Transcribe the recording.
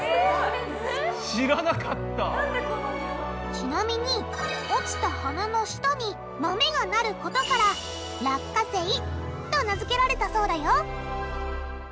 ちなみに落ちた花の下に豆が生ることから「落花生」と名付けられたそうだよ